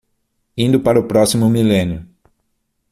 Indo para o próximo milênio